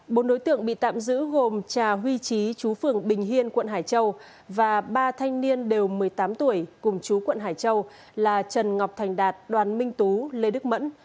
bốn đối tượng bị tạm giữ gồm trà huy trí chú phường bình hiên quận hải châu và ba thanh niên đều một mươi tám tuổi cùng chú quận hải châu là trần ngọc thành đạt đoàn minh tú lê đức mẫn